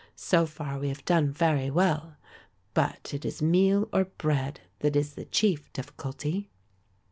So far we have done very well, but it is meal or bread that is the chief difficulty."